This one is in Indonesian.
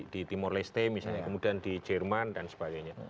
di timur leste misalnya kemudian di jerman dan sebagainya